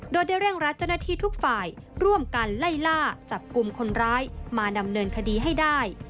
โดยได้เร่งรัดเจ้าหน้าที่ทุกฝ่ายร่วมกันไล่ล่าจับกลุ่มคนร้ายมาดำเนินคดีให้ได้